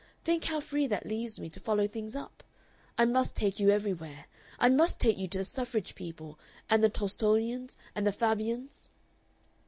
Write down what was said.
Think how free that leaves me to follow things up! I must take you everywhere. I must take you to the Suffrage people, and the Tolstoyans, and the Fabians."